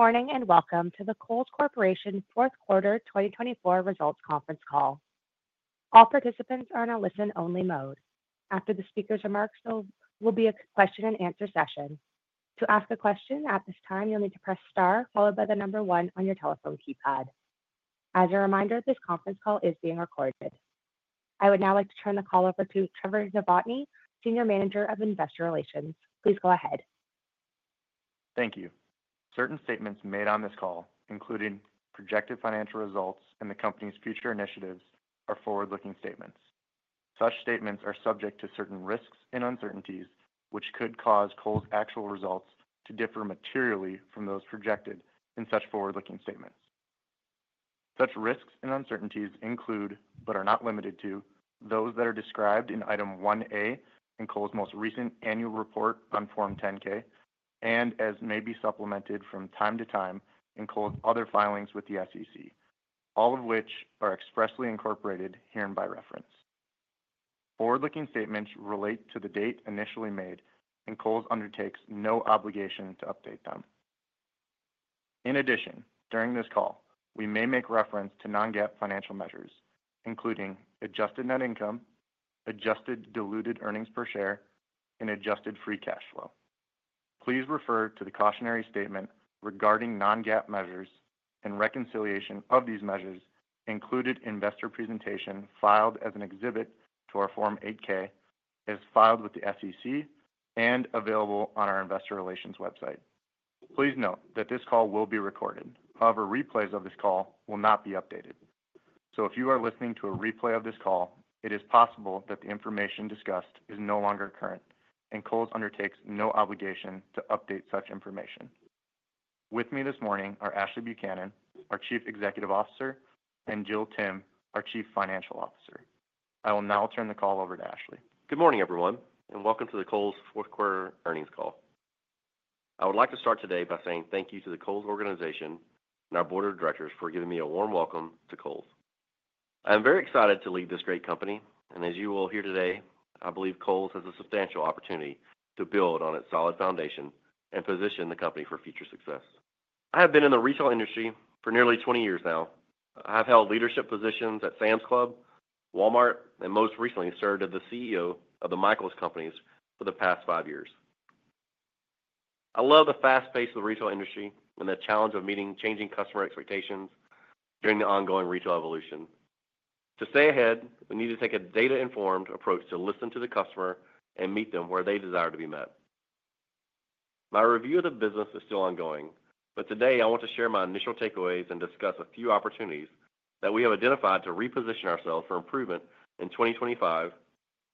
Good morning and welcome to the Kohl's Corporation Fourth Quarter 2024 Results Conference Call. All participants are in a listen-only mode. After the speaker's remarks, there will be a question-and-answer session. To ask a question at this time, you'll need to press star, followed by the number one on your telephone keypad. As a reminder, this conference call is being recorded. I would now like to turn the call over to Trevor Novotny, Senior Manager of Investor Relations. Please go ahead. Thank you. Certain statements made on this call, including projected financial results and the company's future initiatives, are forward-looking statements. Such statements are subject to certain risks and uncertainties, which could cause Kohl's actual results to differ materially from those projected in such forward-looking statements. Such risks and uncertainties include, but are not limited to, those that are described in Item 1A in Kohl's most recent annual report on Form 10-K, and as may be supplemented from time to time in Kohl's other filings with the SEC, all of which are expressly incorporated here in my reference. Forward-looking statements relate to the date initially made, and Kohl's undertakes no obligation to update them. In addition, during this call, we may make reference to non-GAAP financial measures, including adjusted net income, adjusted diluted earnings per share, and adjusted free cash flow. Please refer to the cautionary statement regarding non-GAAP measures, and reconciliation of these measures included in the investor presentation filed as an exhibit to our Form 8-K, as filed with the SEC and available on our investor relations website. Please note that this call will be recorded. However, replays of this call will not be updated. If you are listening to a replay of this call, it is possible that the information discussed is no longer current, and Kohl's undertakes no obligation to update such information. With me this morning are Ashley Buchanan, our Chief Executive Officer, and Jill Timm, our Chief Financial Officer. I will now turn the call over to Ashley. Good morning, everyone, and welcome to the Kohl's fourth quarter earnings call. I would like to start today by saying thank you to the Kohl's organization and our board of directors for giving me a warm welcome to Kohl's. I am very excited to lead this great company, and as you will hear today, I believe Kohl's has a substantial opportunity to build on its solid foundation and position the company for future success. I have been in the retail industry for nearly 20 years now. I have held leadership positions at Sam's Club, Walmart, and most recently served as the CEO of the Michaels Companies for the past five years. I love the fast pace of the retail industry and the challenge of meeting changing customer expectations during the ongoing retail evolution. To stay ahead, we need to take a data-informed approach to listen to the customer and meet them where they desire to be met. My review of the business is still ongoing, but today I want to share my initial takeaways and discuss a few opportunities that we have identified to reposition ourselves for improvement in 2025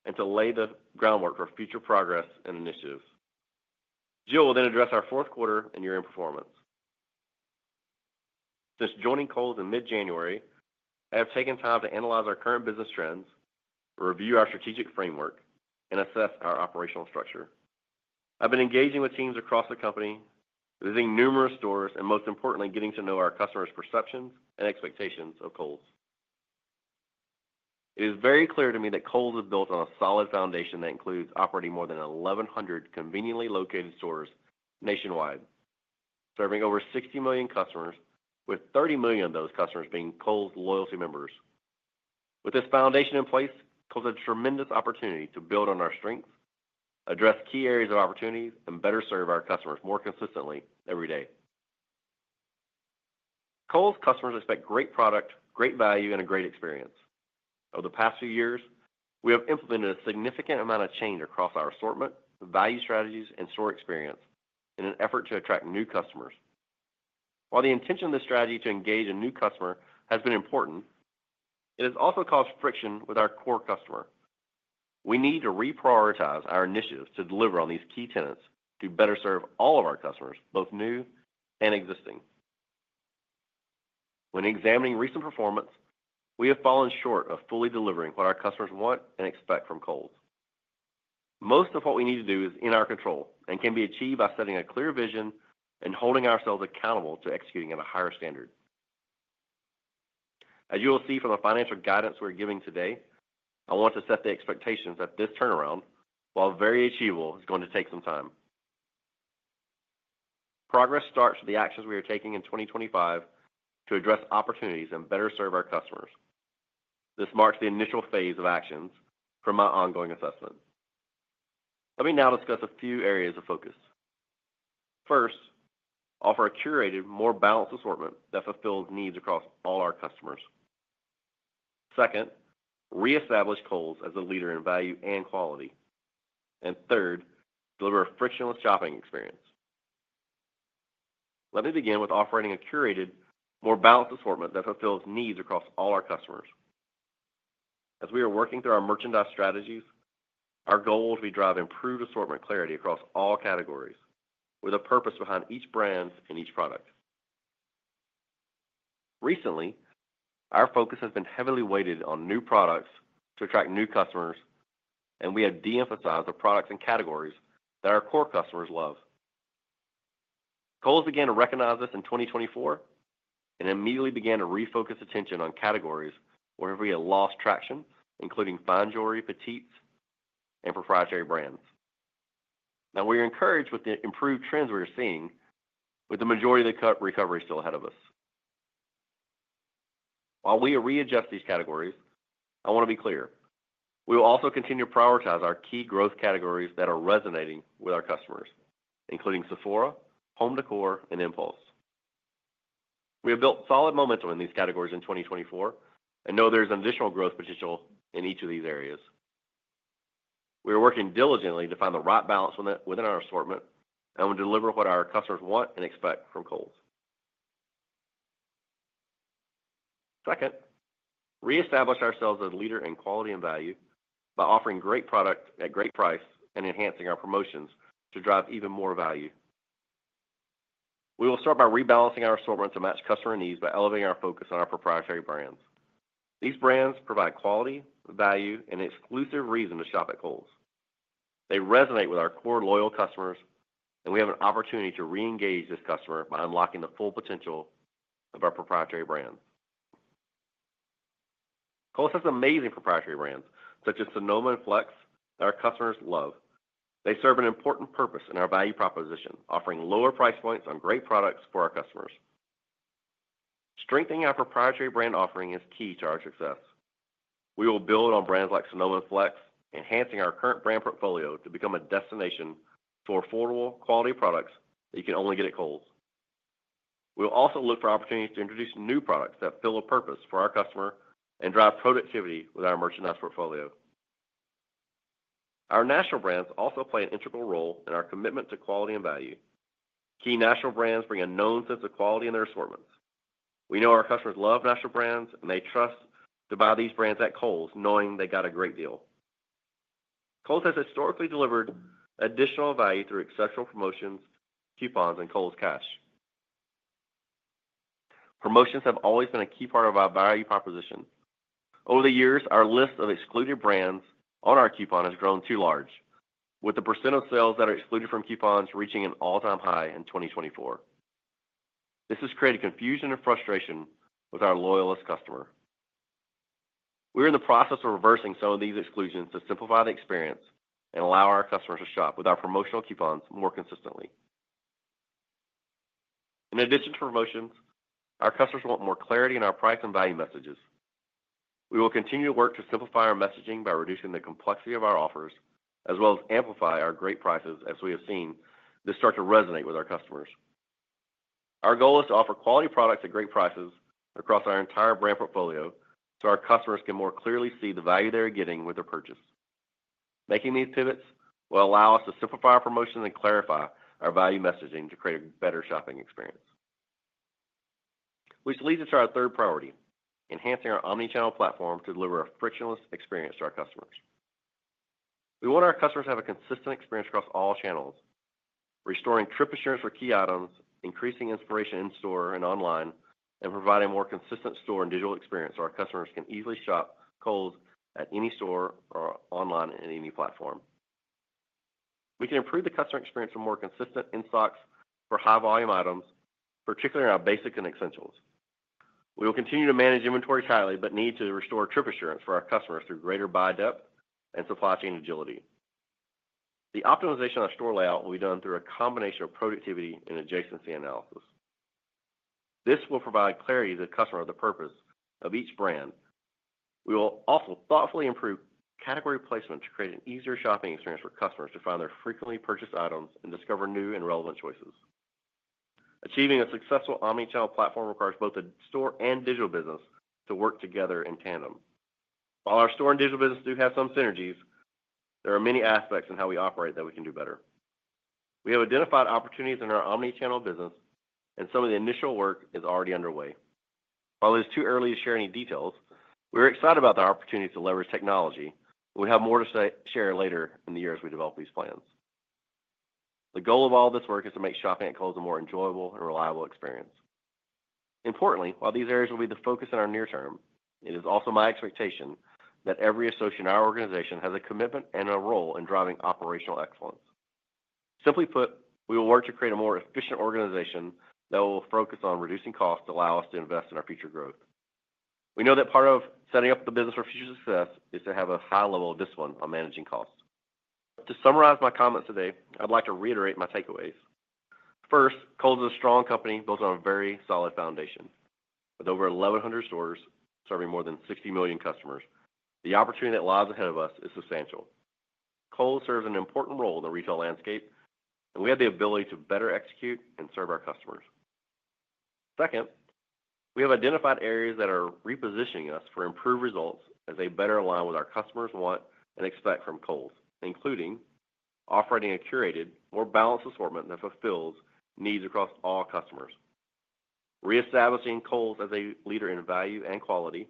and to lay the groundwork for future progress and initiatives. Jill will then address our fourth quarter and year-end performance. Since joining Kohl's in mid-January, I have taken time to analyze our current business trends, review our strategic framework, and assess our operational structure. I've been engaging with teams across the company, visiting numerous stores, and most importantly, getting to know our customers' perceptions and expectations of Kohl's. It is very clear to me that Kohl's is built on a solid foundation that includes operating more than 1,100 conveniently located stores nationwide, serving over 60 million customers, with 30 million of those customers being Kohl's loyalty members. With this foundation in place, Kohl's has a tremendous opportunity to build on our strengths, address key areas of opportunity, and better serve our customers more consistently every day. Kohl's customers expect great product, great value, and a great experience. Over the past few years, we have implemented a significant amount of change across our assortment, value strategies, and store experience in an effort to attract new customers. While the intention of this strategy to engage a new customer has been important, it has also caused friction with our core customer. We need to reprioritize our initiatives to deliver on these key tenets to better serve all of our customers, both new and existing. When examining recent performance, we have fallen short of fully delivering what our customers want and expect from Kohl's. Most of what we need to do is in our control and can be achieved by setting a clear vision and holding ourselves accountable to executing at a higher standard. As you will see from the financial guidance we're giving today, I want to set the expectations that this turnaround, while very achievable, is going to take some time. Progress starts with the actions we are taking in 2025 to address opportunities and better serve our customers. This marks the initial phase of actions for my ongoing assessment. Let me now discuss a few areas of focus. First, offer a curated, more balanced assortment that fulfills needs across all our customers. Second, reestablish Kohl's as a leader in value and quality. Third, deliver a frictionless shopping experience. Let me begin with offering a curated, more balanced assortment that fulfills needs across all our customers. As we are working through our merchandise strategies, our goal is to drive improved assortment clarity across all categories with a purpose behind each brand and each product. Recently, our focus has been heavily weighted on new products to attract new customers, and we have de-emphasized the products and categories that our core customers love. Kohl's began to recognize this in 2024 and immediately began to refocus attention on categories where we had lost traction, including fine jewelry, petites, and proprietary brands. Now, we are encouraged with the improved trends we are seeing, with the majority of the recovery still ahead of us. While we readjust these categories, I want to be clear. We will also continue to prioritize our key growth categories that are resonating with our customers, including Sephora, home decor, and impulse. We have built solid momentum in these categories in 2024 and know there is additional growth potential in each of these areas. We are working diligently to find the right balance within our assortment and will deliver what our customers want and expect from Kohl's. Second, reestablish ourselves as a leader in quality and value by offering great product at great price and enhancing our promotions to drive even more value. We will start by rebalancing our assortment to match customer needs by elevating our focus on our proprietary brands. These brands provide quality, value, and exclusive reason to shop at Kohl's. They resonate with our core loyal customers, and we have an opportunity to reengage this customer by unlocking the full potential of our proprietary brands. Kohl's has amazing proprietary brands, such as Sonoma and FLX, that our customers love. They serve an important purpose in our value proposition, offering lower price points on great products for our customers. Strengthening our proprietary brand offering is key to our success. We will build on brands like Sonoma and FLX, enhancing our current brand portfolio to become a destination for affordable, quality products that you can only get at Kohl's. We will also look for opportunities to introduce new products that fill a purpose for our customer and drive productivity with our merchandise portfolio. Our national brands also play an integral role in our commitment to quality and value. Key national brands bring a known sense of quality in their assortments. We know our customers love national brands, and they trust to buy these brands at Kohl's, knowing they got a great deal. Kohl's has historically delivered additional value through exceptional promotions, coupons, and Kohl's Cash. Promotions have always been a key part of our value proposition. Over the years, our list of excluded brands on our coupon has grown too large, with the % of sales that are excluded from coupons reaching an all-time high in 2024. This has created confusion and frustration with our loyalist customer. We are in the process of reversing some of these exclusions to simplify the experience and allow our customers to shop with our promotional coupons more consistently. In addition to promotions, our customers want more clarity in our price and value messages. We will continue to work to simplify our messaging by reducing the complexity of our offers, as well as amplify our great prices, as we have seen this start to resonate with our customers. Our goal is to offer quality products at great prices across our entire brand portfolio so our customers can more clearly see the value they are getting with their purchase. Making these pivots will allow us to simplify our promotions and clarify our value messaging to create a better shopping experience. This leads us to our third priority: enhancing our omnichannel platform to deliver a frictionless experience to our customers. We want our customers to have a consistent experience across all channels, restoring trip assurance for key items, increasing inspiration in store and online, and providing a more consistent store and digital experience so our customers can easily shop Kohl's at any store or online in any platform. We can improve the customer experience for more consistent in-stocks for high-volume items, particularly our basics and essentials. We will continue to manage inventory tightly but need to restore trip assurance for our customers through greater buy depth and supply chain agility. The optimization of our store layout will be done through a combination of productivity and adjacency analysis. This will provide clarity to the customer of the purpose of each brand. We will also thoughtfully improve category placement to create an easier shopping experience for customers to find their frequently purchased items and discover new and relevant choices. Achieving a successful omnichannel platform requires both the store and digital business to work together in tandem. While our store and digital business do have some synergies, there are many aspects in how we operate that we can do better. We have identified opportunities in our omnichannel business, and some of the initial work is already underway. While it is too early to share any details, we are excited about the opportunities to leverage technology, and we have more to share later in the year as we develop these plans. The goal of all this work is to make shopping at Kohl's a more enjoyable and reliable experience. Importantly, while these areas will be the focus in our near term, it is also my expectation that every associate in our organization has a commitment and a role in driving operational excellence. Simply put, we will work to create a more efficient organization that will focus on reducing costs to allow us to invest in our future growth. We know that part of setting up the business for future success is to have a high level of discipline on managing costs. To summarize my comments today, I'd like to reiterate my takeaways. First, Kohl's is a strong company built on a very solid foundation. With over 1,100 stores serving more than 60 million customers, the opportunity that lies ahead of us is substantial. Kohl's serves an important role in the retail landscape, and we have the ability to better execute and serve our customers. Second, we have identified areas that are repositioning us for improved results as they better align with what our customers want and expect from Kohl's, including operating a curated, more balanced assortment that fulfills needs across all customers. Reestablishing Kohl's as a leader in value and quality,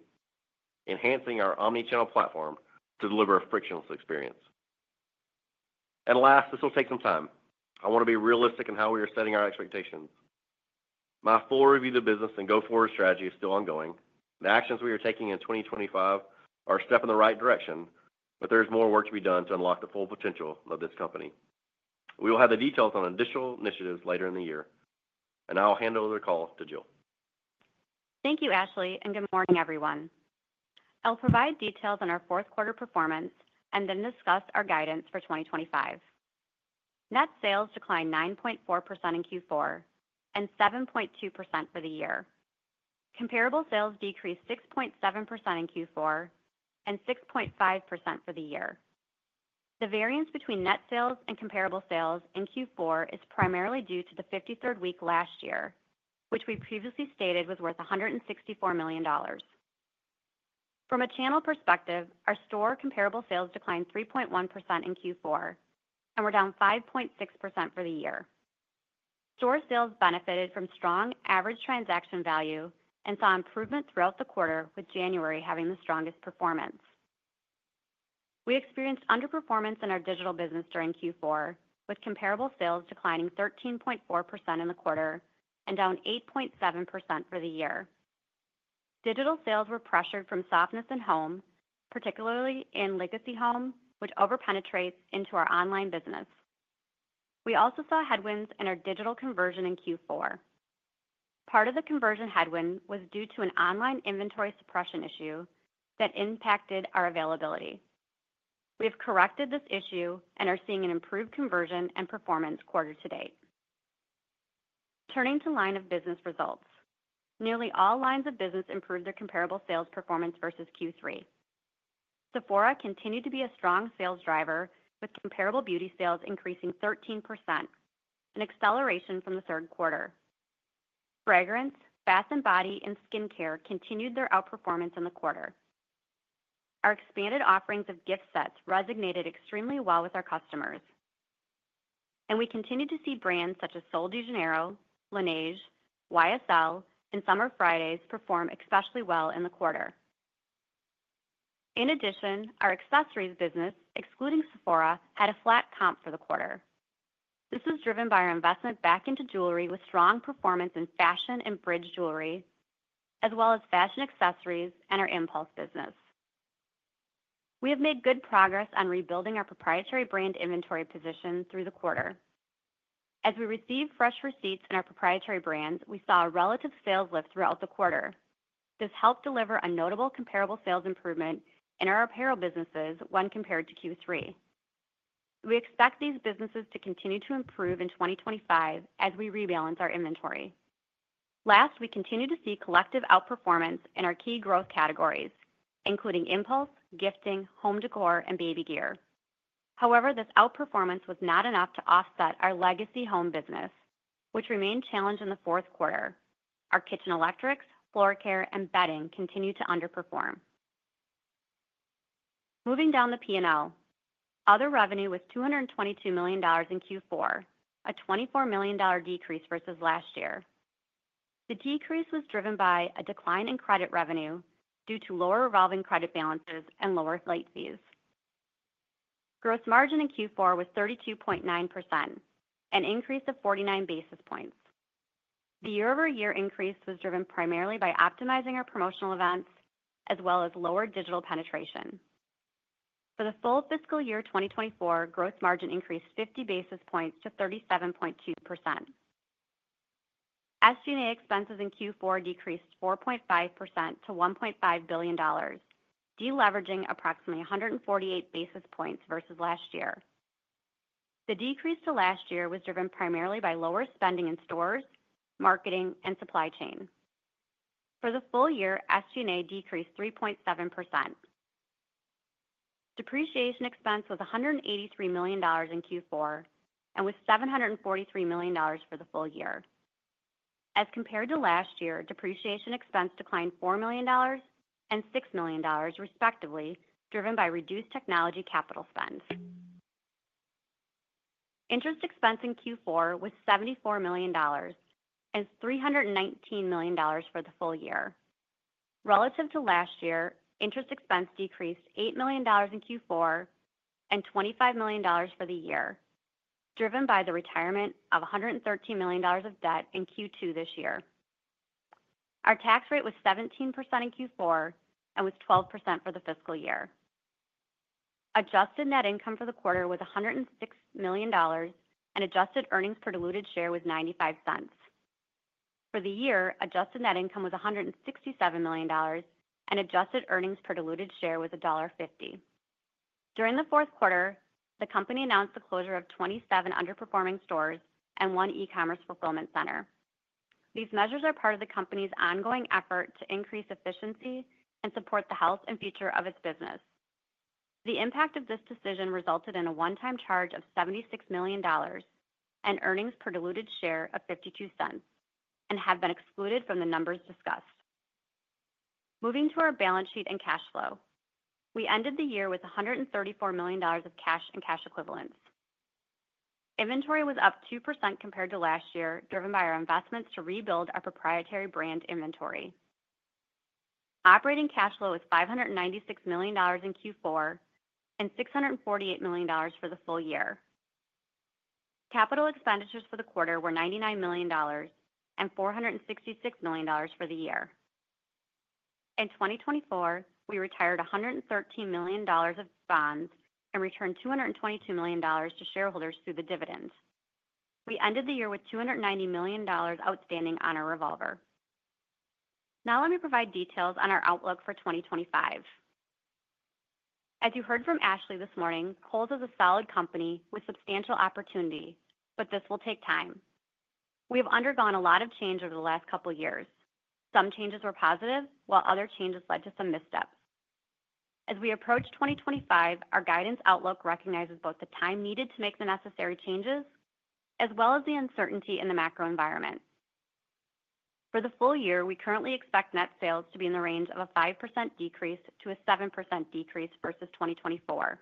enhancing our omnichannel platform to deliver a frictionless experience. This will take some time. I want to be realistic in how we are setting our expectations. My full review of the business and go-forward strategy is still ongoing. The actions we are taking in 2025 are a step in the right direction, but there is more work to be done to unlock the full potential of this company. We will have the details on additional initiatives later in the year, and I'll hand over the call to Jill. Thank you, Ashley, and good morning, everyone. I'll provide details on our fourth quarter performance and then discuss our guidance for 2025. Net sales declined 9.4% in Q4 and 7.2% for the year. Comparable sales decreased 6.7% in Q4 and 6.5% for the year. The variance between net sales and comparable sales in Q4 is primarily due to the 53rd week last year, which we previously stated was worth $164 million. From a channel perspective, our store comparable sales declined 3.1% in Q4, and were down 5.6% for the year. Store sales benefited from strong average transaction value and saw improvement throughout the quarter, with January having the strongest performance. We experienced underperformance in our digital business during Q4, with comparable sales declining 13.4% in the quarter and down 8.7% for the year. Digital sales were pressured from softness in home, particularly in legacy home, which over-penetrates into our online business. We also saw headwinds in our digital conversion in Q4. Part of the conversion headwind was due to an online inventory suppression issue that impacted our availability. We have corrected this issue and are seeing improved conversion and performance quarter to date. Turning to line of business results, nearly all lines of business improved their comparable sales performance versus Q3. Sephora continued to be a strong sales driver, with comparable beauty sales increasing 13%, an acceleration from the third quarter. Fragrance, bath and body, and skincare continued their outperformance in the quarter. Our expanded offerings of gift sets resonated extremely well with our customers. We continue to see brands such as Sol de Janeiro, Laneige, YSL, and Summer Fridays perform especially well in the quarter. In addition, our accessories business, excluding Sephora, had a flat comp for the quarter. This was driven by our investment back into jewelry with strong performance in fashion and bridge jewelry, as well as fashion accessories and our impulse business. We have made good progress on rebuilding our proprietary brand inventory position through the quarter. As we received fresh receipts in our proprietary brands, we saw a relative sales lift throughout the quarter. This helped deliver a notable comparable sales improvement in our apparel businesses when compared to Q3. We expect these businesses to continue to improve in 2025 as we rebalance our inventory. Last, we continue to see collective outperformance in our key growth categories, including impulse, gifting, home decor, and baby gear. However, this outperformance was not enough to offset our legacy home business, which remained challenged in the fourth quarter. Our kitchen electrics, floor care, and bedding continued to underperform. Moving down the P&L, other revenue was $222 million in Q4, a $24 million decrease versus last year. The decrease was driven by a decline in credit revenue due to lower revolving credit balances and lower late fees. Gross margin in Q4 was 32.9%, an increase of 49 basis points. The year-over-year increase was driven primarily by optimizing our promotional events as well as lower digital penetration. For the full fiscal year 2024, gross margin increased 50 basis points to 37.2%. SG&A expenses in Q4 decreased 4.5% to $1.5 billion, deleveraging approximately 148 basis points versus last year. The decrease to last year was driven primarily by lower spending in stores, marketing, and supply chain. For the full year, SG&A decreased 3.7%. Depreciation expense was $183 million in Q4 and was $743 million for the full year. As compared to last year, depreciation expense declined $4 million and $6 million, respectively, driven by reduced technology capital spend. Interest expense in Q4 was $74 million and $319 million for the full year. Relative to last year, interest expense decreased $8 million in Q4 and $25 million for the year, driven by the retirement of $113 million of debt in Q2 this year. Our tax rate was 17% in Q4 and was 12% for the fiscal year. Adjusted net income for the quarter was $106 million, and adjusted earnings per diluted share was $0.95. For the year, adjusted net income was $167 million, and adjusted earnings per diluted share was $1.50. During the fourth quarter, the company announced the closure of 27 underperforming stores and one e-commerce fulfillment center. These measures are part of the company's ongoing effort to increase efficiency and support the health and future of its business. The impact of this decision resulted in a one-time charge of $76 million and earnings per diluted share of $0.52, and have been excluded from the numbers discussed. Moving to our balance sheet and cash flow, we ended the year with $134 million of cash and cash equivalents. Inventory was up 2% compared to last year, driven by our investments to rebuild our proprietary brand inventory. Operating cash flow was $596 million in Q4 and $648 million for the full year. Capital expenditures for the quarter were $99 million and $466 million for the year. In 2024, we retired $113 million of bonds and returned $222 million to shareholders through the dividend. We ended the year with $290 million outstanding on our revolver. Now let me provide details on our outlook for 2025. As you heard from Ashley this morning, Kohl's is a solid company with substantial opportunity, but this will take time. We have undergone a lot of change over the last couple of years. Some changes were positive, while other changes led to some missteps. As we approach 2025, our guidance outlook recognizes both the time needed to make the necessary changes as well as the uncertainty in the macro environment. For the full year, we currently expect net sales to be in the range of a 5% decrease-7% decrease versus 2024.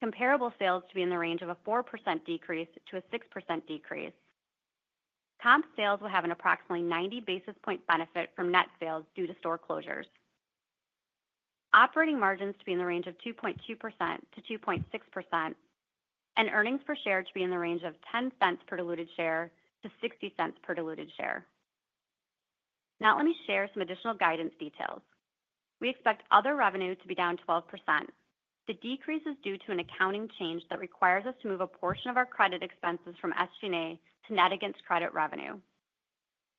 Comparable sales to be in the range of a 4% decrease-6% decrease. Comp sales will have an approximately 90 basis point benefit from net sales due to store closures. Operating margins to be in the range of 2.2%-2.6%, and earnings per share to be in the range of $0.10 per diluted share-$0.60 per diluted share. Now let me share some additional guidance details. We expect other revenue to be down 12%. The decrease is due to an accounting change that requires us to move a portion of our credit expenses from SG&A to net against credit revenue,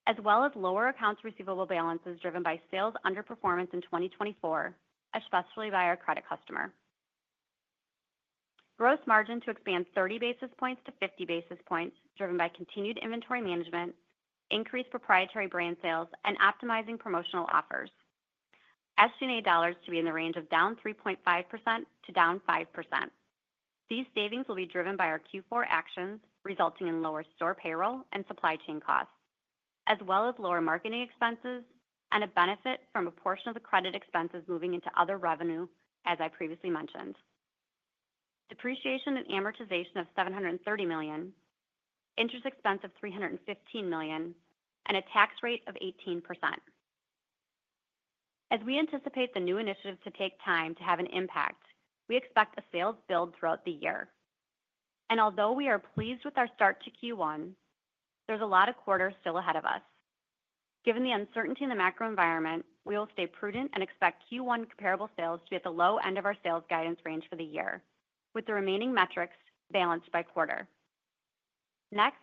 as well as lower accounts receivable balances driven by sales underperformance in 2024, especially by our credit customer. Gross margin to expand 30 basis points to 50 basis points, driven by continued inventory management, increased proprietary brand sales, and optimizing promotional offers. SG&A dollars to be in the range of down 3.5% to down 5%. These savings will be driven by our Q4 actions, resulting in lower store payroll and supply chain costs, as well as lower marketing expenses and a benefit from a portion of the credit expenses moving into other revenue, as I previously mentioned. Depreciation and amortization of $730 million, interest expense of $315 million, and a tax rate of 18%. As we anticipate the new initiatives to take time to have an impact, we expect a sales build throughout the year. Although we are pleased with our start to Q1, there's a lot of quarters still ahead of us. Given the uncertainty in the macro environment, we will stay prudent and expect Q1 comparable sales to be at the low end of our sales guidance range for the year, with the remaining metrics balanced by quarter. Next,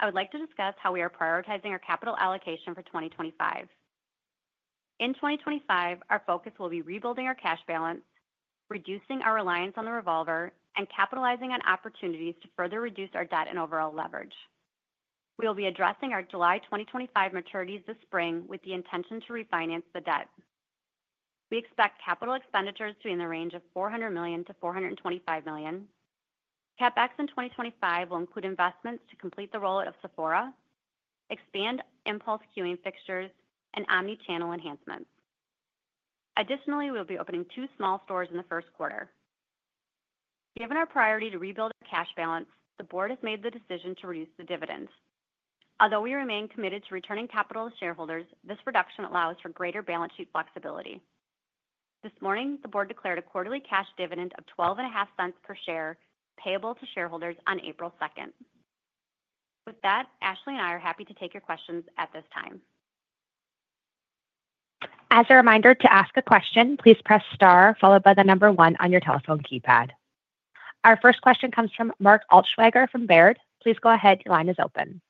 I would like to discuss how we are prioritizing our capital allocation for 2025. In 2025, our focus will be rebuilding our cash balance, reducing our reliance on the revolver, and capitalizing on opportunities to further reduce our debt and overall leverage. We will be addressing our July 2025 maturities this spring with the intention to refinance the debt. We expect capital expenditures to be in the range of $400 million-$425 million. CapEx in 2025 will include investments to complete the rollout of Sephora, expand impulse queuing fixtures, and omnichannel enhancements. Additionally, we will be opening two small stores in the first quarter. Given our priority to rebuild our cash balance, the board has made the decision to reduce the dividend. Although we remain committed to returning capital to shareholders, this reduction allows for greater balance sheet flexibility. This morning, the board declared a quarterly cash dividend of $0.1250 per share payable to shareholders on April 2nd. With that, Ashley and I are happy to take your questions at this time. As a reminder, to ask a question, please press star followed by the number one on your telephone keypad. Our first question comes from Mark Altschwager from Baird. Please go ahead. Your line is open.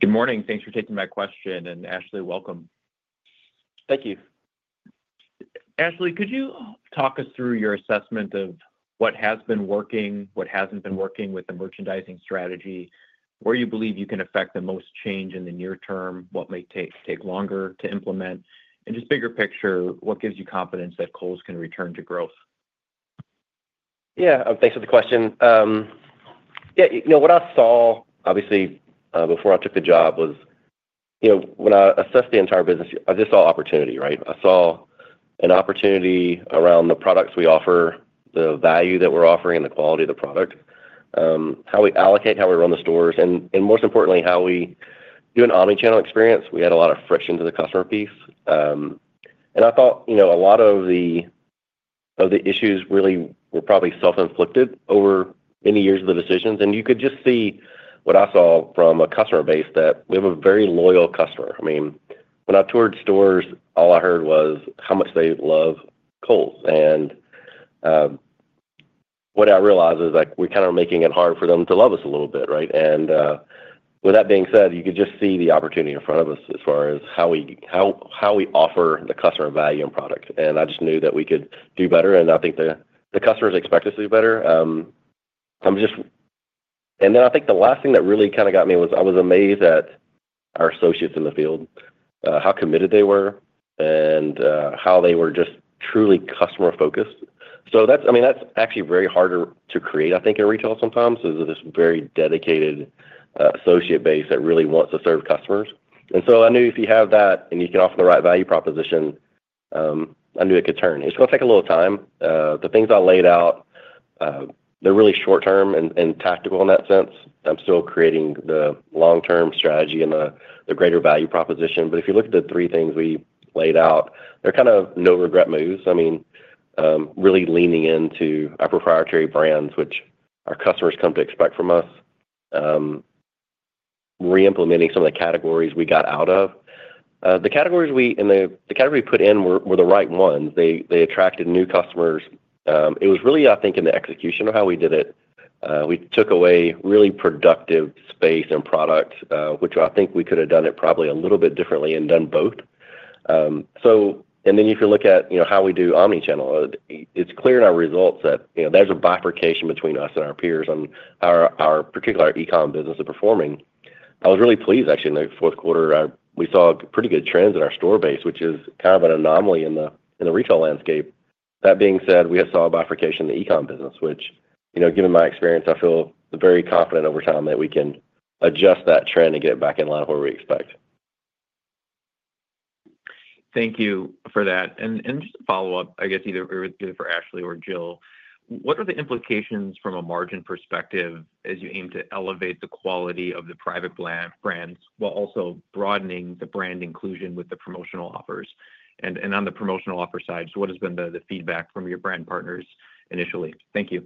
Good morning. Thanks for taking my question. Ashley, welcome. Thank you. Ashley, could you talk us through your assessment of what has been working, what has not been working with the merchandising strategy, where you believe you can affect the most change in the near term, what may take longer to implement, and just bigger picture, what gives you confidence that Kohl's can return to growth? Yeah. Thanks for the question. Yeah. What I saw, obviously, before I took the job, was when I assessed the entire business, I just saw opportunity, right? I saw an opportunity around the products we offer, the value that we are offering, and the quality of the product, how we allocate, how we run the stores, and most importantly, how we do an omnichannel experience. We had a lot of friction to the customer piece. I thought a lot of the issues really were probably self-inflicted over many years of the decisions. You could just see what I saw from a customer base that we have a very loyal customer. I mean, when I toured stores, all I heard was how much they love Kohl's. What I realized is we're kind of making it hard for them to love us a little bit, right? With that being said, you could just see the opportunity in front of us as far as how we offer the customer value and product. I just knew that we could do better. I think the customers expect us to do better. I think the last thing that really kind of got me was I was amazed at our associates in the field, how committed they were, and how they were just truly customer-focused. I mean, that's actually very hard to create, I think, in retail sometimes. There is this very dedicated associate base that really wants to serve customers. I knew if you have that and you can offer the right value proposition, I knew it could turn. It's going to take a little time. The things I laid out, they're really short-term and tactical in that sense. I'm still creating the long-term strategy and the greater value proposition. If you look at the three things we laid out, they're kind of no-regret moves. I mean, really leaning into our proprietary brands, which our customers come to expect from us, reimplementing some of the categories we got out of. The categories we put in were the right ones. They attracted new customers. It was really, I think, in the execution of how we did it. We took away really productive space and product, which I think we could have done it probably a little bit differently and done both. If you look at how we do omnichannel, it's clear in our results that there's a bifurcation between us and our peers on how our particular e-comm business is performing. I was really pleased, actually, in the fourth quarter. We saw pretty good trends in our store base, which is kind of an anomaly in the retail landscape. That being said, we saw a bifurcation in the e-comm business, which, given my experience, I feel very confident over time that we can adjust that trend and get it back in line where we expect. Thank you for that. Just to follow up, I guess either for Ashley or Jill, what are the implications from a margin perspective as you aim to elevate the quality of the private brands while also broadening the brand inclusion with the promotional offers? On the promotional offer side, what has been the feedback from your brand partners initially? Thank you.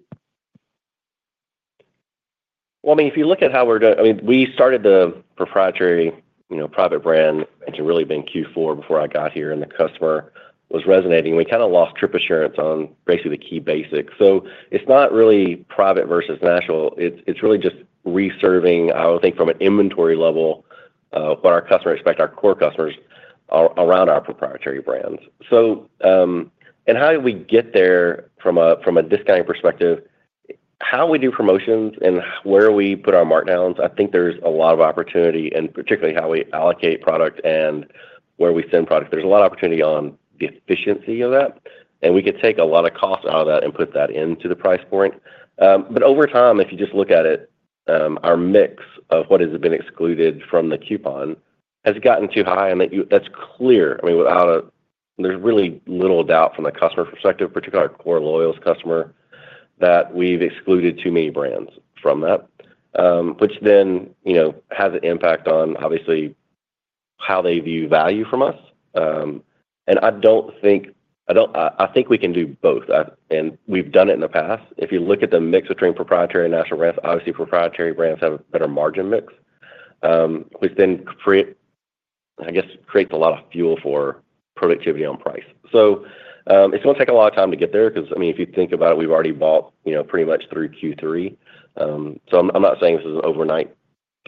I mean, if you look at how we're doing, I mean, we started the proprietary private brand and really been Q4 before I got here, and the customer was resonating. We kind of lost trip assurance on basically the key basics. It is not really private versus national. It's really just reserving, I would think, from an inventory level what our customers expect, our core customers around our proprietary brands. How did we get there from a discounting perspective? How we do promotions and where we put our markdowns, I think there's a lot of opportunity, particularly how we allocate product and where we send product. There's a lot of opportunity on the efficiency of that. We could take a lot of cost out of that and put that into the price point. Over time, if you just look at it, our mix of what has been excluded from the coupon has gotten too high. That's clear. I mean, there's really little doubt from the customer perspective, particularly our core loyals customer, that we've excluded too many brands from that, which then has an impact on, obviously, how they view value from us. I don't think I think we can do both. We've done it in the past. If you look at the mix between proprietary and national brands, obviously, proprietary brands have a better margin mix, which then, I guess, creates a lot of fuel for productivity on price. It's going to take a lot of time to get there because, I mean, if you think about it, we've already bought pretty much through Q3. I'm not saying this is an overnight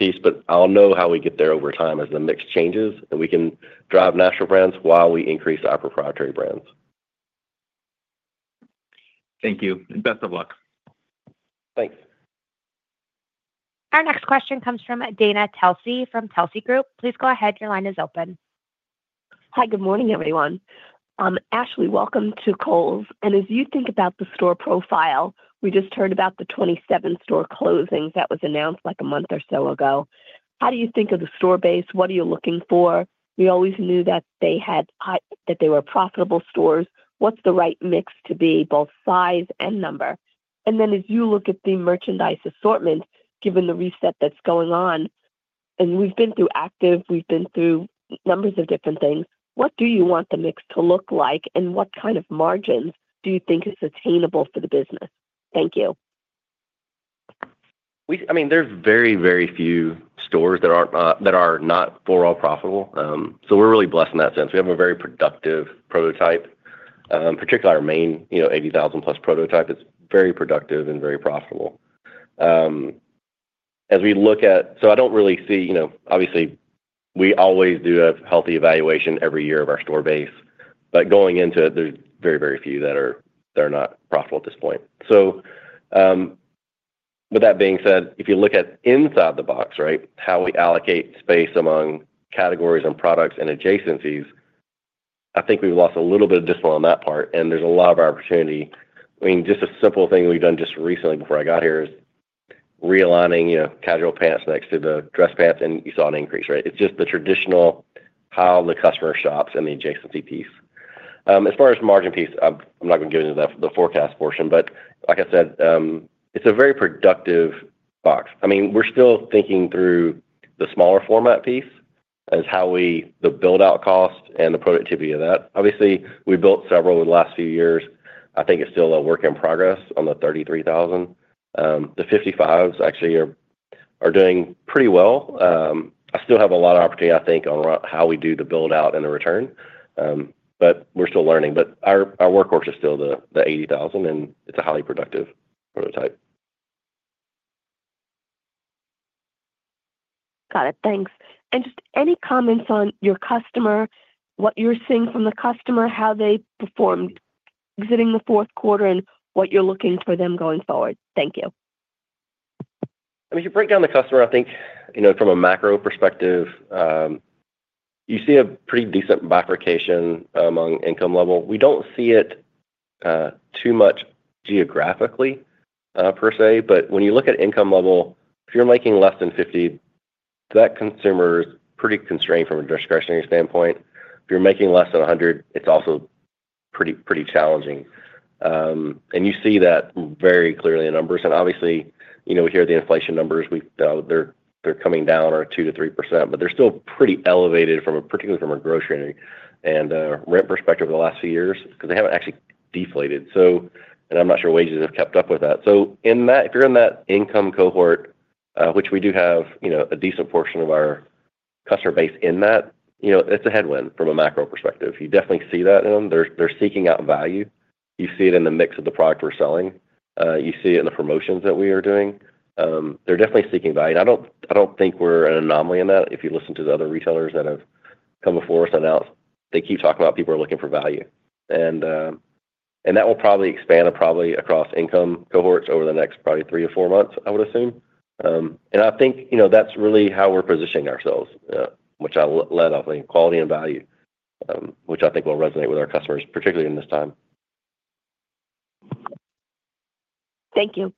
piece, but I'll know how we get there over time as the mix changes, and we can drive national brands while we increase our proprietary brands. Thank you. Best of luck. Thanks. Our next question comes from Dana Telsey from Telsey Group. Please go ahead. Your line is open. Hi. Good morning, everyone. Ashley, welcome to Kohl's. As you think about the store profile, we just heard about the 27 store closings that was announced like a month or so ago. How do you think of the store base? What are you looking for? We always knew that they were profitable stores. What's the right mix to be, both size and number? As you look at the merchandise assortment, given the reset that's going on, and we've been through active, we've been through numbers of different things, what do you want the mix to look like, and what kind of margins do you think is attainable for the business? Thank you. I mean, there's very, very few stores that are not overall profitable. We are really blessed in that sense. We have a very productive prototype, particularly our main 80,000-plus prototype. It's very productive and very profitable. As we look at, I don't really see, obviously, we always do a healthy evaluation every year of our store base. Going into it, there's very, very few that are not profitable at this point. With that being said, if you look at inside the box, right, how we allocate space among categories and products and adjacencies, I think we've lost a little bit of discipline on that part. There's a lot of opportunity. I mean, just a simple thing we've done just recently before I got here is realigning casual pants next to the dress pants, and you saw an increase, right? It's just the traditional how the customer shops and the adjacency piece. As far as the margin piece, I'm not going to get into the forecast portion. Like I said, it's a very productive box. I mean, we're still thinking through the smaller format piece as how we the build-out cost and the productivity of that. Obviously, we built several in the last few years. I think it's still a work in progress on the 33,000. The 55s actually are doing pretty well. I still have a lot of opportunity, I think, on how we do the build-out and the return. We're still learning. Our workhorse is still the 80,000, and it's a highly productive prototype. Got it. Thanks. Just any comments on your customer, what you're seeing from the customer, how they performed exiting the fourth quarter, and what you're looking for them going forward? Thank you. I mean, if you break down the customer, I think from a macro perspective, you see a pretty decent bifurcation among income level. We don't see it too much geographically, per se. When you look at income level, if you're making less than $50,000, that consumer is pretty constrained from a discretionary standpoint. If you're making less than $100,000, it's also pretty challenging. You see that very clearly in numbers. Obviously, we hear the inflation numbers. They're coming down or 2%-3%, but they're still pretty elevated, particularly from a grocery and rent perspective in the last few years because they haven't actually deflated. I'm not sure wages have kept up with that. If you're in that income cohort, which we do have a decent portion of our customer base in, it's a headwind from a macro perspective. You definitely see that in them. They're seeking out value. You see it in the mix of the product we're selling. You see it in the promotions that we are doing. They're definitely seeking value. I do not think we are an anomaly in that. If you listen to the other retailers that have come before us and out, they keep talking about people are looking for value. That will probably expand across income cohorts over the next probably three or four months, I would assume. I think that is really how we are positioning ourselves, which I led off in quality and value, which I think will resonate with our customers, particularly in this time. Thank you.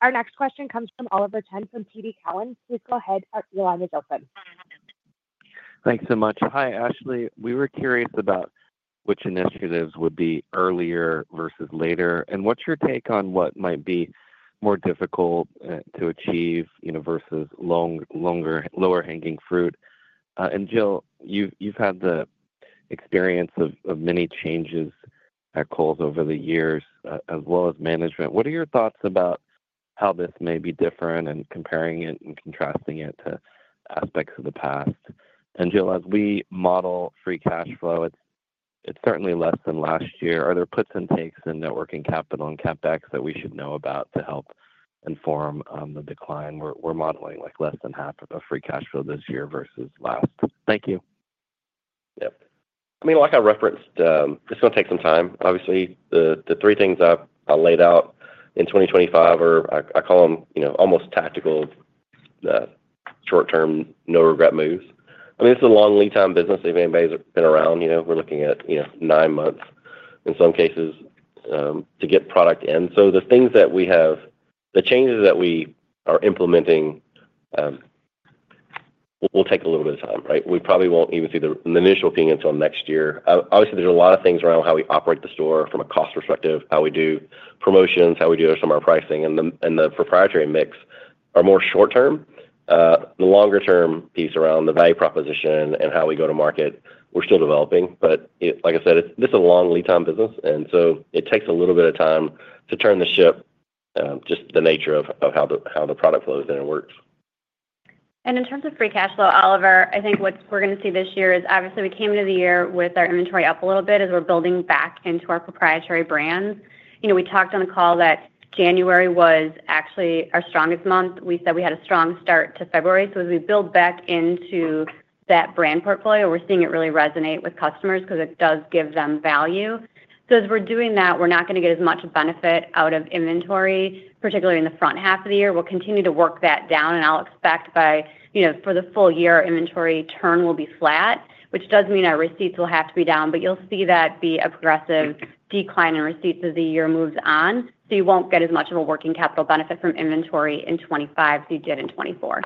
Our next question comes from Oliver Chen from TD Cowen. Please go ahead. Your line is open. Thanks so much. Hi, Ashley. We were curious about which initiatives would be earlier versus later. What is your take on what might be more difficult to achieve versus longer lower-hanging fruit? Jill, you have had the experience of many changes at Kohl's over the years as well as management. What are your thoughts about how this may be different and comparing it and contrasting it to aspects of the past? Jill, as we model free cash flow, it's certainly less than last year. Are there puts and takes in networking capital and CapEx that we should know about to help inform the decline? We're modeling less than half of a free cash flow this year versus last. Thank you. Yep. I mean, like I referenced, this is going to take some time. Obviously, the three things I laid out in 2025 are, I call them almost tactical short-term no-regret moves. I mean, it's a long lead-time business. Even if it's been around, we're looking at nine months in some cases to get product in. The things that we have, the changes that we are implementing will take a little bit of time, right? We probably won't even see the initial opinions until next year. Obviously, there's a lot of things around how we operate the store from a cost perspective, how we do promotions, how we do some of our pricing. And the proprietary mix are more short-term. The longer-term piece around the value proposition and how we go to market, we're still developing. Like I said, this is a long lead-time business. It takes a little bit of time to turn the ship, just the nature of how the product flows in and works. In terms of free cash flow, Oliver, I think what we're going to see this year is obviously we came into the year with our inventory up a little bit as we're building back into our proprietary brand. We talked on the call that January was actually our strongest month. We said we had a strong start to February. As we build back into that brand portfolio, we're seeing it really resonate with customers because it does give them value. As we're doing that, we're not going to get as much benefit out of inventory, particularly in the front half of the year. We'll continue to work that down. I expect for the full year, inventory turn will be flat, which does mean our receipts will have to be down. You'll see that be a progressive decline in receipts as the year moves on. You won't get as much of a working capital benefit from inventory in 2025 as you did in 2024.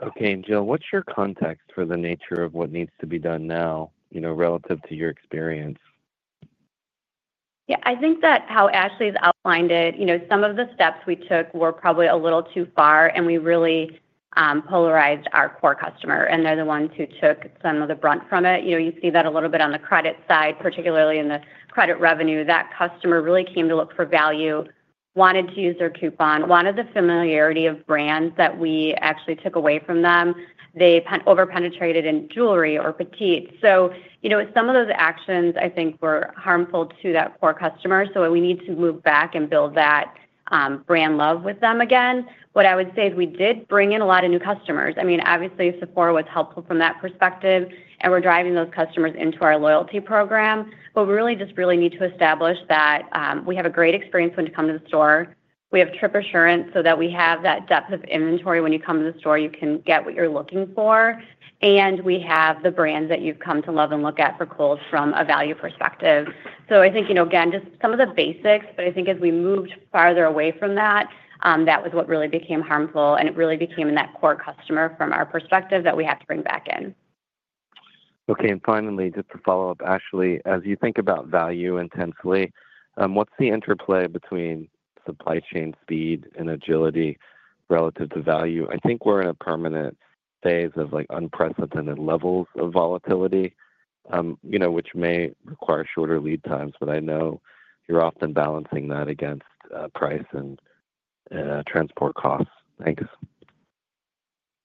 Okay. Jill, what's your context for the nature of what needs to be done now relative to your experience? Yeah. I think that how Ashley's outlined it, some of the steps we took were probably a little too far, and we really polarized our core customer. They're the ones who took some of the brunt from it. You see that a little bit on the credit side, particularly in the credit revenue. That customer really came to look for value, wanted to use their coupon, wanted the familiarity of brands that we actually took away from them. They over-penetrated in jewelry or petite. Some of those actions, I think, were harmful to that core customer. We need to move back and build that brand love with them again. What I would say is we did bring in a lot of new customers. I mean, obviously, Sephora was helpful from that perspective, and we're driving those customers into our loyalty program. We really just really need to establish that we have a great experience when you come to the store. We have trip assurance so that we have that depth of inventory when you come to the store. You can get what you're looking for. We have the brands that you've come to love and look at for Kohl's from a value perspective. I think, again, just some of the basics. I think as we moved farther away from that, that was what really became harmful. It really became that core customer from our perspective that we had to bring back in. Okay. Finally, just to follow up, Ashley, as you think about value intensely, what's the interplay between supply chain speed and agility relative to value? I think we're in a permanent phase of unprecedented levels of volatility, which may require shorter lead times. I know you're often balancing that against price and transport costs. Thanks.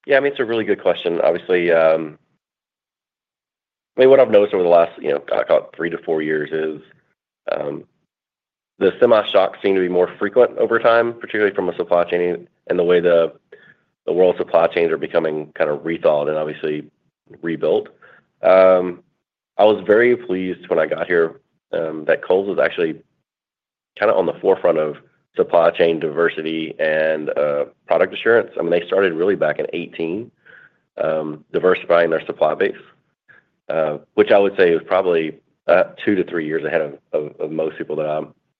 Yeah. I mean, it's a really good question. Obviously, what I've noticed over the last, I call it three to four years, is the seismic shocks seem to be more frequent over time, particularly from a supply chain and the way the world supply chains are becoming kind of rethought and obviously rebuilt. I was very pleased when I got here that Kohl's was actually kind of on the forefront of supply chain diversity and product assurance. I mean, they started really back in 2018 diversifying their supply base, which I would say is probably two to three years ahead of most people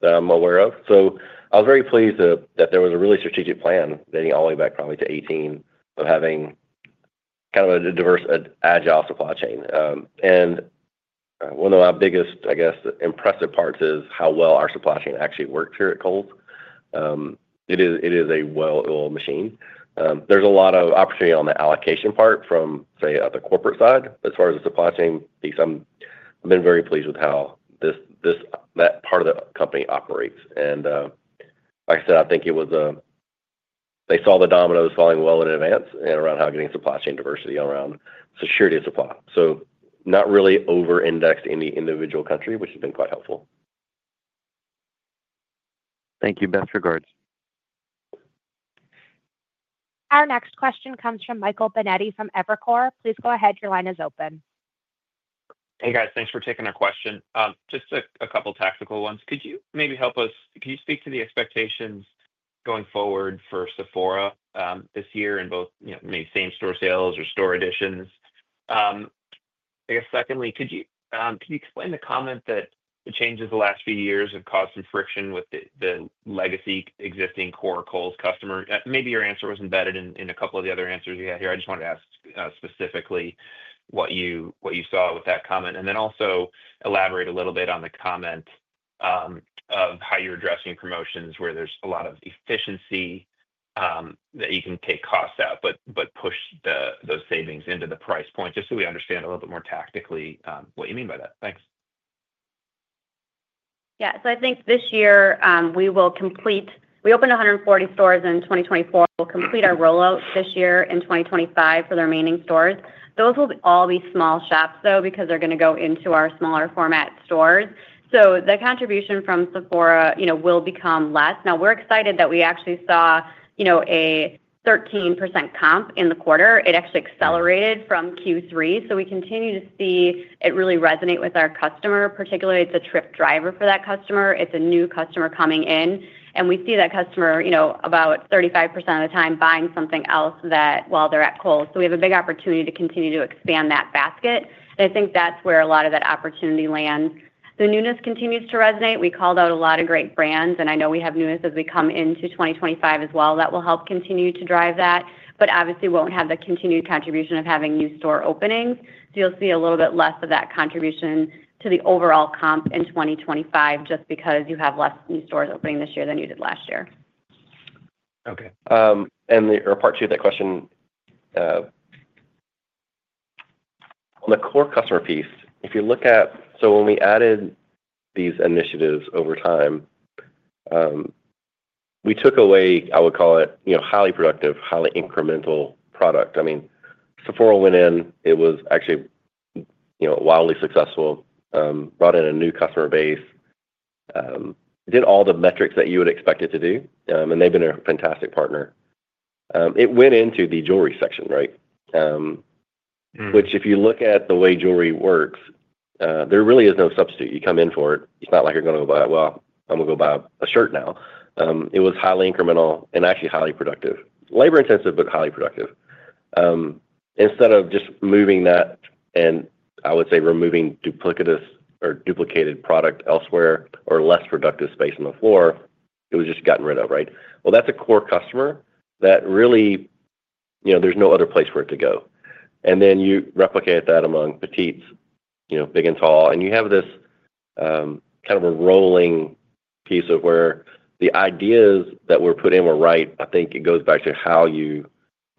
that I'm aware of. I was very pleased that there was a really strategic plan dating all the way back probably to 2018 of having kind of a diverse, agile supply chain. One of our biggest, I guess, impressive parts is how well our supply chain actually works here at Kohl's. It is a well-oiled machine. There is a lot of opportunity on the allocation part from, say, the corporate side. As far as the supply chain piece, I have been very pleased with how that part of the company operates. Like I said, I think they saw the dominoes falling well in advance and around how getting supply chain diversity around security of supply. Not really over-indexed in the individual country, which has been quite helpful. Thank you. Best regards. Our next question comes from Michael Binetti from Evercore. Please go ahead. Your line is open. Hey, guys. Thanks for taking our question. Just a couple of tactical ones. Could you maybe help us? Could you speak to the expectations going forward for Sephora this year in both maybe same-store sales or store additions? I guess, secondly, could you explain the comment that the changes the last few years have caused some friction with the legacy existing core Kohl's customer? Maybe your answer was embedded in a couple of the other answers you had here. I just wanted to ask specifically what you saw with that comment. Also, elaborate a little bit on the comment of how you're addressing promotions where there's a lot of efficiency that you can take costs out but push those savings into the price point just so we understand a little bit more tactically what you mean by that. Thanks. Yeah. I think this year we will complete we opened 140 stores in 2024. We'll complete our rollout this year in 2025 for the remaining stores. Those will all be small shops, though, because they're going to go into our smaller format stores. The contribution from Sephora will become less. Now, we're excited that we actually saw a 13% comp in the quarter. It actually accelerated from Q3. We continue to see it really resonate with our customer, particularly the trip driver for that customer. It's a new customer coming in. We see that customer about 35% of the time buying something else while they're at Kohl's. We have a big opportunity to continue to expand that basket. I think that's where a lot of that opportunity lands. The newness continues to resonate. We called out a lot of great brands. I know we have newness as we come into 2025 as well that will help continue to drive that. Obviously, we won't have the continued contribution of having new store openings. You'll see a little bit less of that contribution to the overall comp in 2025 just because you have less new stores opening this year than you did last year. Okay. Part two of that question, on the core customer piece, if you look at when we added these initiatives over time, we took away, I would call it, highly productive, highly incremental product. I mean, Sephora went in. It was actually wildly successful, brought in a new customer base, did all the metrics that you would expect it to do. They've been a fantastic partner. It went into the jewelry section, right? If you look at the way jewelry works, there really is no substitute. You come in for it. It's not like you're going to go buy, "Well, I'm going to go buy a shirt now." It was highly incremental and actually highly productive, labor-intensive, but highly productive. Instead of just moving that and I would say removing duplicative or duplicated product elsewhere or less productive space on the floor, it was just gotten rid of, right? That's a core customer that really there's no other place for it to go. You replicate that among petites, big and tall. You have this kind of a rolling piece of where the ideas that were put in were right. I think it goes back to how you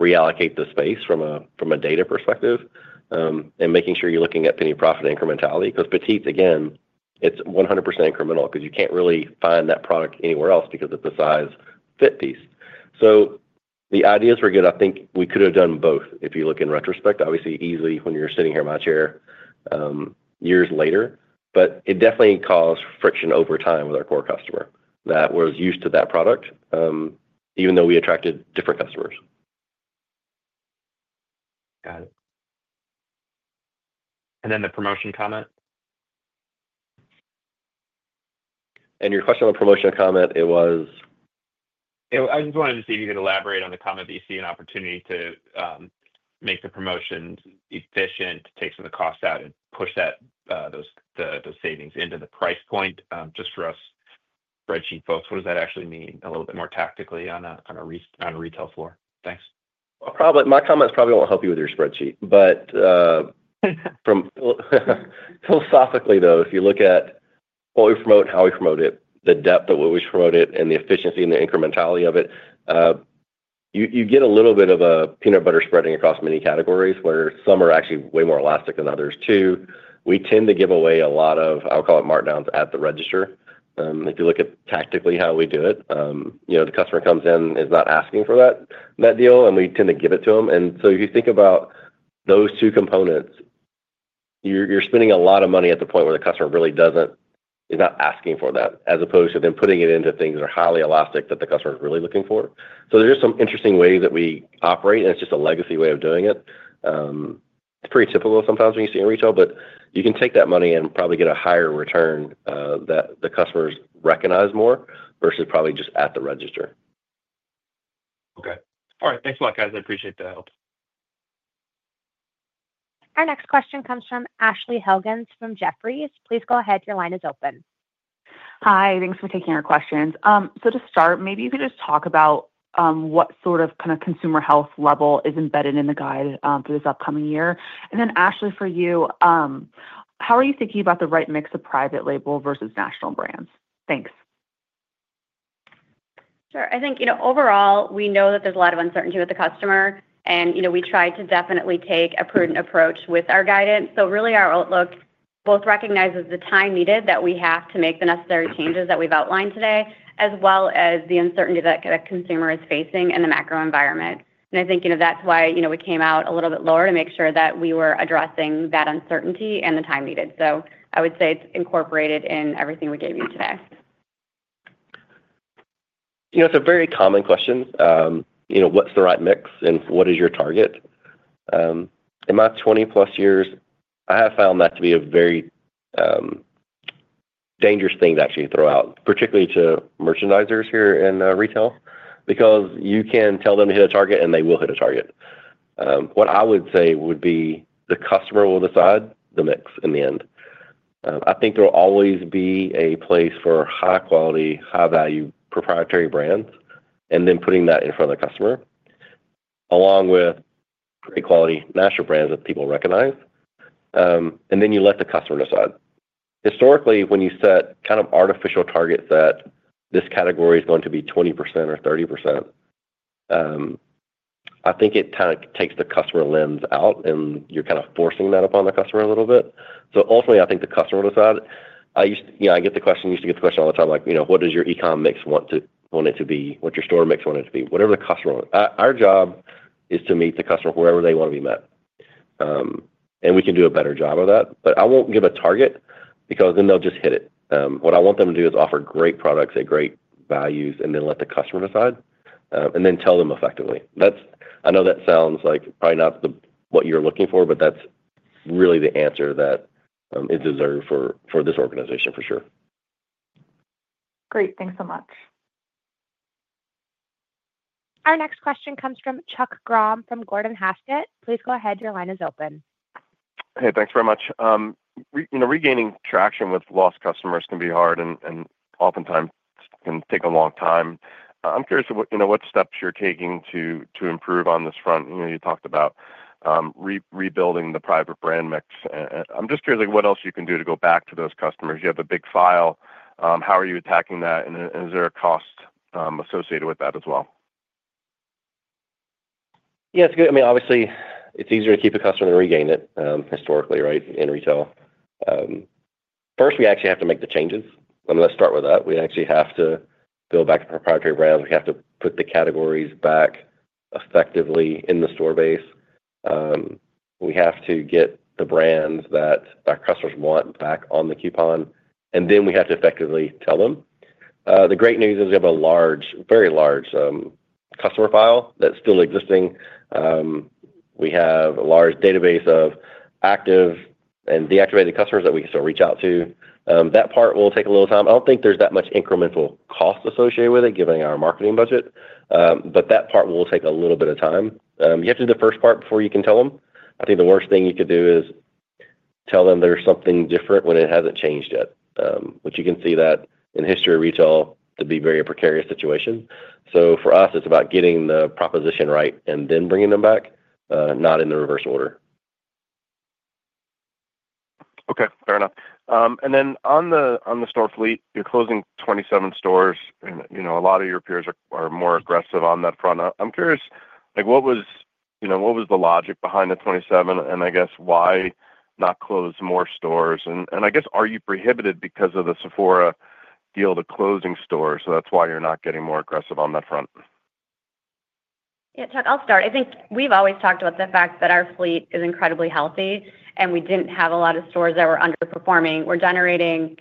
reallocate the space from a data perspective and making sure you're looking at penny profit incrementality. Because petites, again, it's 100% incremental because you can't really find that product anywhere else because of the size fit piece. The ideas were good. I think we could have done both if you look in retrospect, obviously, easily when you're sitting here in my chair years later. It definitely caused friction over time with our core customer that was used to that product even though we attracted different customers. Got it. The promotion comment? Your question on the promotion comment, it was? I just wanted to see if you could elaborate on the comment that you see an opportunity to make the promotions efficient, take some of the costs out, and push those savings into the price point just for us spreadsheet folks. What does that actually mean a little bit more tactically on a retail floor? Thanks. My comment probably won't help you with your spreadsheet. Philosophically, though, if you look at what we promote and how we promote it, the depth of what we promote it, and the efficiency and the incrementality of it, you get a little bit of a peanut butter spreading across many categories where some are actually way more elastic than others too. We tend to give away a lot of, I'll call it, markdowns at the register. If you look at tactically how we do it, the customer comes in, is not asking for that deal, and we tend to give it to them. If you think about those two components, you're spending a lot of money at the point where the customer really is not asking for that as opposed to them putting it into things that are highly elastic that the customer is really looking for. There are just some interesting ways that we operate, and it's just a legacy way of doing it. It's pretty typical sometimes when you see in retail, but you can take that money and probably get a higher return that the customers recognize more versus probably just at the register. Okay. All right. Thanks a lot, guys. I appreciate the help. Our next question comes from Ashley Helgans from Jefferies. Please go ahead. Your line is open. Hi. Thanks for taking our questions. To start, maybe you could just talk about what sort of kind of consumer health level is embedded in the guide for this upcoming year. Then, Ashley, for you, how are you thinking about the right mix of private label versus national brands? Thanks. Sure. I think overall, we know that there's a lot of uncertainty with the customer. We try to definitely take a prudent approach with our guidance. Really, our outlook both recognizes the time needed that we have to make the necessary changes that we've outlined today, as well as the uncertainty that the consumer is facing in the macro environment. I think that's why we came out a little bit lower to make sure that we were addressing that uncertainty and the time needed. I would say it's incorporated in everything we gave you today. It's a very common question. What's the right mix and what is your target? In my 20-plus years, I have found that to be a very dangerous thing to actually throw out, particularly to merchandisers here in retail, because you can tell them to hit a target, and they will hit a target. What I would say would be the customer will decide the mix in the end. I think there will always be a place for high-quality, high-value proprietary brands and then putting that in front of the customer along with great quality national brands that people recognize. You let the customer decide. Historically, when you set kind of artificial targets that this category is going to be 20% or 30%, I think it kind of takes the customer lens out, and you're kind of forcing that upon the customer a little bit. Ultimately, I think the customer will decide. I get the question. You used to get the question all the time, like, "What does your e-comm mix want it to be? What's your store mix want it to be?" Whatever the customer wants. Our job is to meet the customer wherever they want to be met. We can do a better job of that. I won't give a target because then they'll just hit it. What I want them to do is offer great products at great values and then let the customer decide and then tell them effectively. I know that sounds like probably not what you're looking for, but that's really the answer that is deserved for this organization, for sure. Great. Thanks so much. Our next question comes from Chuck Grom from Gordon Haskett. Please go ahead. Your line is open. Hey, thanks very much. Regaining traction with lost customers can be hard and oftentimes can take a long time. I'm curious what steps you're taking to improve on this front. You talked about rebuilding the private brand mix. I'm just curious what else you can do to go back to those customers. You have a big file. How are you attacking that? Is there a cost associated with that as well? Yeah. I mean, obviously, it's easier to keep a customer than regain it historically, right, in retail. First, we actually have to make the changes. I mean, let's start with that. We actually have to go back to proprietary brands. We have to put the categories back effectively in the store base. We have to get the brands that our customers want back on the coupon. We have to effectively tell them. The great news is we have a very large customer file that's still existing. We have a large database of active and deactivated customers that we can still reach out to. That part will take a little time. I don't think there's that much incremental cost associated with it given our marketing budget. That part will take a little bit of time. You have to do the first part before you can tell them. I think the worst thing you could do is tell them there's something different when it hasn't changed yet, which you can see that in history of retail to be a very precarious situation. For us, it's about getting the proposition right and then bringing them back, not in the reverse order. Okay. Fair enough. And then on the store fleet, you're closing 27 stores. A lot of your peers are more aggressive on that front. I'm curious, what was the logic behind the 27 and, I guess, why not close more stores? And I guess, are you prohibited because of the Sephora deal to closing stores? So that's why you're not getting more aggressive on that front? Yeah. Chuck, I'll start. I think we've always talked about the fact that our fleet is incredibly healthy, and we didn't have a lot of stores that were underperforming. We're generating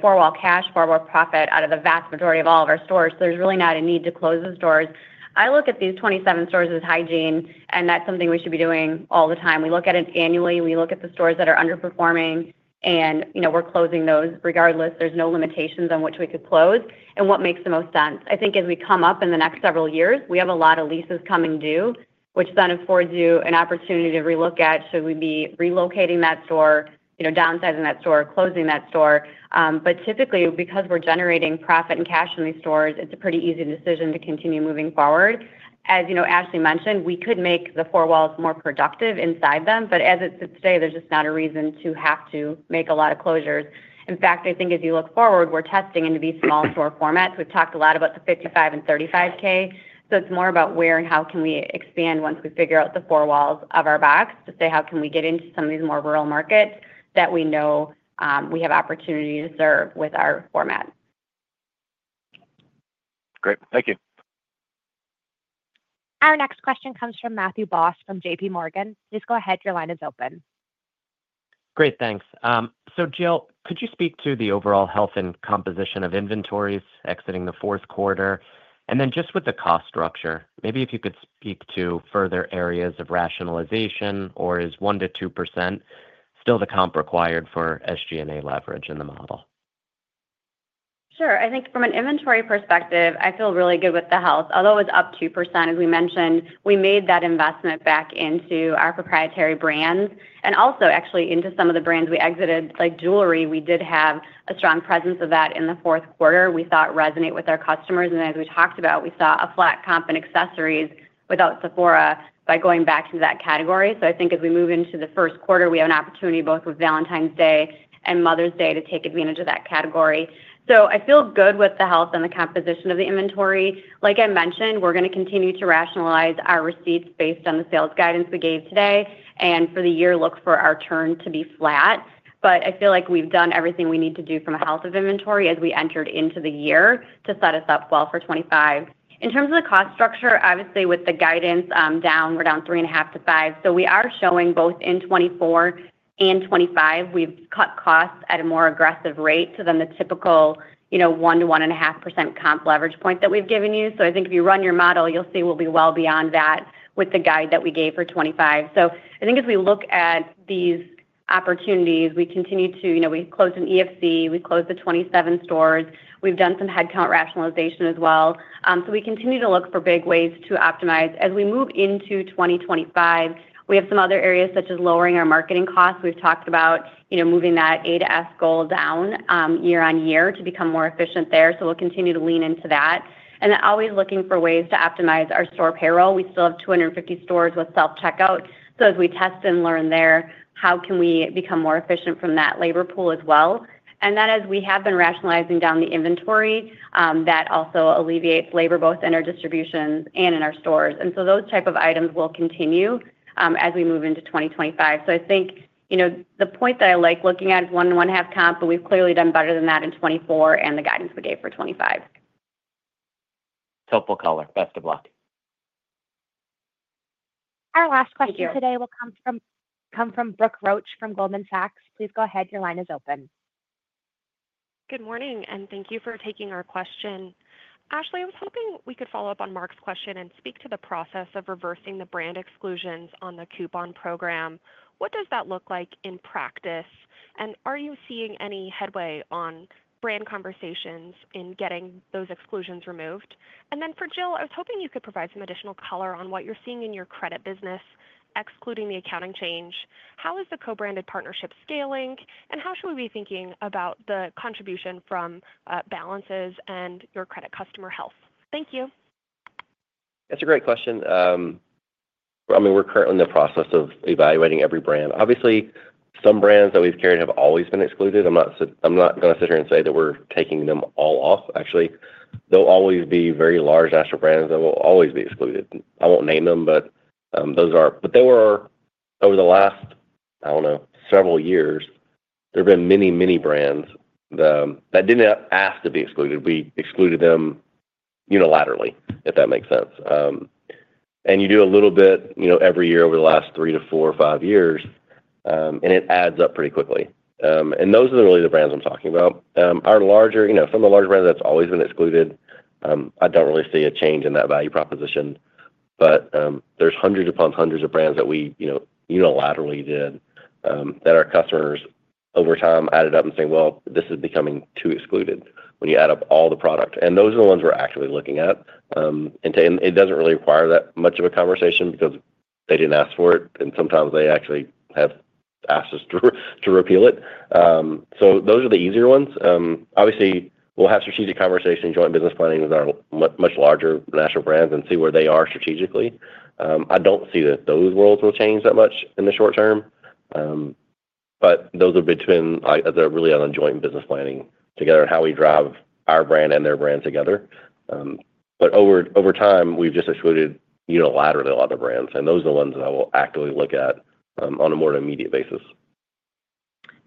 four-wall cash, four-wall profit out of the vast majority of all of our stores. There's really not a need to close the stores. I look at these 27 stores as hygiene, and that's something we should be doing all the time. We look at it annually. We look at the stores that are underperforming, and we're closing those regardless. There's no limitations on which we could close and what makes the most sense. I think as we come up in the next several years, we have a lot of leases coming due, which then affords you an opportunity to relook at, should we be relocating that store, downsizing that store, closing that store. Typically, because we're generating profit and cash in these stores, it's a pretty easy decision to continue moving forward. As Ashley mentioned, we could make the four walls more productive inside them. As it sits today, there's just not a reason to have to make a lot of closures. In fact, I think as you look forward, we're testing into these small store formats. We've talked a lot about the 55K and 35K. It's more about where and how can we expand once we figure out the four walls of our box to say, "How can we get into some of these more rural markets that we know we have opportunity to serve with our format?" Great. Thank you. Our next question comes from Matthew Boss from JPMorgan. Please go ahead. Your line is open. Great. Thanks. Jill, could you speak to the overall health and composition of inventories exiting the fourth quarter? Just with the cost structure, maybe if you could speak to further areas of rationalization, or is 1-2% still the comp required for SG&A leverage in the model? Sure. I think from an inventory perspective, I feel really good with the health. Although it was up 2%, as we mentioned, we made that investment back into our proprietary brands and also actually into some of the brands we exited. Like jewelry, we did have a strong presence of that in the fourth quarter. We thought resonate with our customers. As we talked about, we saw a flat comp in accessories without Sephora by going back into that category. I think as we move into the first quarter, we have an opportunity both with Valentine's Day and Mother's Day to take advantage of that category. I feel good with the health and the composition of the inventory. Like I mentioned, we're going to continue to rationalize our receipts based on the sales guidance we gave today. For the year, look for our turn to be flat. I feel like we've done everything we need to do from a health of inventory as we entered into the year to set us up well for 2025. In terms of the cost structure, obviously, with the guidance down, we're down 3.5%-5%. We are showing both in 2024 and 2025, we've cut costs at a more aggressive rate than the typical 1%-1.5% comp leverage point that we've given you. I think if you run your model, you'll see we'll be well beyond that with the guide that we gave for 2025. I think as we look at these opportunities, we continue to we closed an EFC. We closed the 27 stores. We've done some headcount rationalization as well. We continue to look for big ways to optimize. As we move into 2025, we have some other areas such as lowering our marketing costs. We've talked about moving that A-to-S goal down year on year to become more efficient there. We'll continue to lean into that. Always looking for ways to optimize our store payroll. We still have 250 stores with self-checkout. As we test and learn there, how can we become more efficient from that labor pool as well? As we have been rationalizing down the inventory, that also alleviates labor both in our distributions and in our stores. Those type of items will continue as we move into 2025. I think the point that I like looking at is one and one half comp, but we've clearly done better than that in 2024 and the guidance we gave for 2025. Helpful color. Best of luck. Our last question today will come from Brooke Roach from Goldman Sachs. Please go ahead. Your line is open. Good morning, and thank you for taking our question. Ashley, I was hoping we could follow up on Mark's question and speak to the process of reversing the brand exclusions on the coupon program. What does that look like in practice? Are you seeing any headway on brand conversations in getting those exclusions removed? For Jill, I was hoping you could provide some additional color on what you're seeing in your credit business, excluding the accounting change. How is the co-branded partnership scaling? How should we be thinking about the contribution from balances and your credit customer health? Thank you. That's a great question. I mean, we're currently in the process of evaluating every brand. Obviously, some brands that we've carried have always been excluded. I'm not going to sit here and say that we're taking them all off. Actually, there'll always be very large national brands that will always be excluded. I won't name them, but those are. Over the last, I don't know, several years, there have been many, many brands that didn't ask to be excluded. We excluded them unilaterally, if that makes sense. You do a little bit every year over the last three to four or five years, and it adds up pretty quickly. Those are really the brands I'm talking about. Our larger, some of the larger brands that's always been excluded, I don't really see a change in that value proposition. There are hundreds upon hundreds of brands that we unilaterally did that our customers over time added up and saying, "This is becoming too excluded when you add up all the product." Those are the ones we're actively looking at. It doesn't really require that much of a conversation because they didn't ask for it. Sometimes they actually have asked us to repeal it. Those are the easier ones. Obviously, we'll have strategic conversation, joint business planning with our much larger national brands and see where they are strategically. I do not see that those worlds will change that much in the short term. Those are between us, really, on joint business planning together and how we drive our brand and their brand together. Over time, we have just excluded unilaterally a lot of the brands. Those are the ones that I will actively look at on a more immediate basis.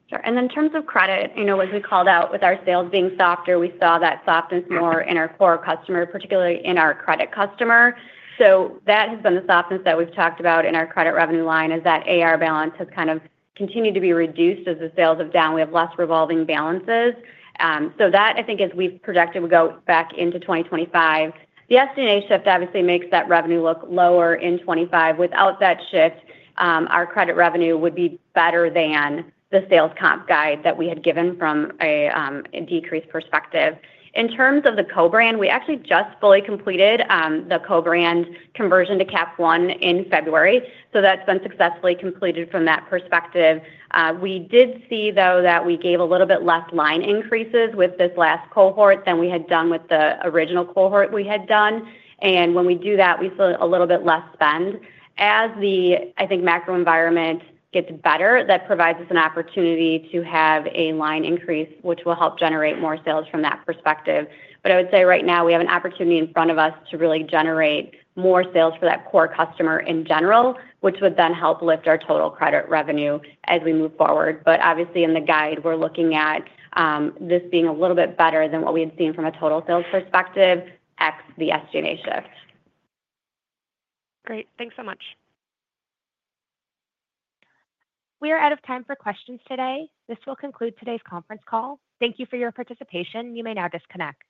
Sure. In terms of credit, as we called out with our sales being softer, we saw that softness more in our core customer, particularly in our credit customer. That has been the softness that we have talked about in our credit revenue line, as that AR balance has kind of continued to be reduced as the sales have down. We have less revolving balances. That, I think, as we have projected, we go back into 2025. The estimated shift obviously makes that revenue look lower in 2025. Without that shift, our credit revenue would be better than the sales comp guide that we had given from a decreased perspective. In terms of the co-brand, we actually just fully completed the co-brand conversion to Capital One in February. That has been successfully completed from that perspective. We did see, though, that we gave a little bit less line increases with this last cohort than we had done with the original cohort we had done. When we do that, we still have a little bit less spend. As the, I think, macro environment gets better, that provides us an opportunity to have a line increase, which will help generate more sales from that perspective. I would say right now, we have an opportunity in front of us to really generate more sales for that core customer in general, which would then help lift our total credit revenue as we move forward. Obviously, in the guide, we're looking at this being a little bit better than what we had seen from a total sales perspective ex the SG&A shift. Great. Thanks so much. We are out of time for questions today. This will conclude today's conference call. Thank you for your participation. You may now disconnect.